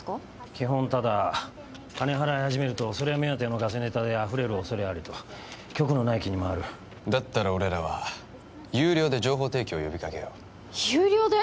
基本タダ金払い始めるとそれ目当てのガセネタであふれる恐れありと局の内規にもあるだったら俺らは有料で情報提供を呼びかけよう有料で！？